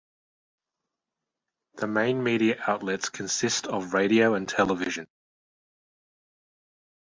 The main media outlets consist of radio and television.